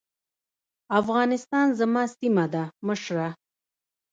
افغانستان زما سيمه ده مشره.